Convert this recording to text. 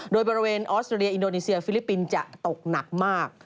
โดยบริเวณออสเตรเลียอินโดนีเซียฟิลิปปินส์จะตกหนักมาก